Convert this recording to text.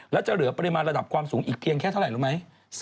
แล้วจะเหลือปริมาณระดับความสูงอีกเพียงแค่เท่าไหร่รู้ไหม